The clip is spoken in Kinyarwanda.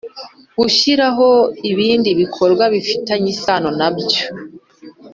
Gushyiraho ibindi bikorwa bifitanye isano nibyo